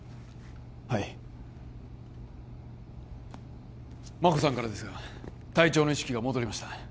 はい真子さんからですが隊長の意識が戻りました